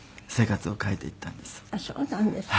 あっそうなんですか。